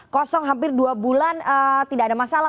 kosong hampir dua bulan tidak ada masalah